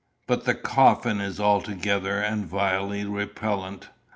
But the coffin is altogether and vilely repellent.